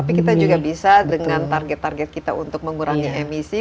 tapi kita juga bisa dengan target target kita untuk mengurangi emisi